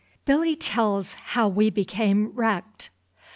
Billy tells how we became wrecked.